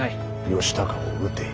義高を討て。